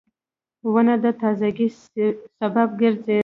• ونه د تازهګۍ سبب ګرځي.